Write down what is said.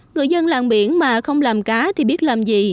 người dân làng biển mà không làm cá thì biết làm gì